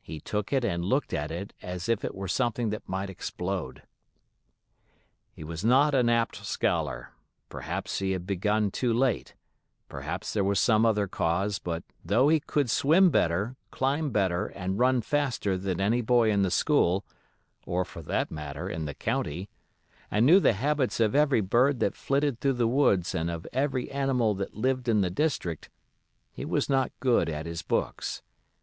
He took it and looked at it as if it were something that might explode. He was not an apt scholar; perhaps he had begun too late; perhaps there was some other cause; but though he could swim better, climb better, and run faster than any boy in the school, or, for that matter, in the county, and knew the habits of every bird that flitted through the woods and of every animal that lived in the district, he was not good at his books.